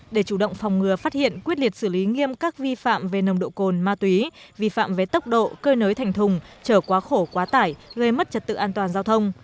để chủ động phòng ngừa phát hiện quyết liệt xử lý nghiêm các vi phạm về nồng độ cồn ma túy vi phạm về tốc độ cơi nới thành thùng trở quá khổ quá tải gây mất trật tự an toàn giao thông